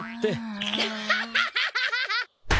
アッハハハ！